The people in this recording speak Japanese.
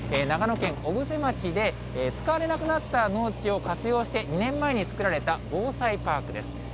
長野県小布施町で、使われなくなった農地を活用して、２年前に作られた防災パークです。